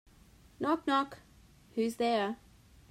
Knock knock! Who's there?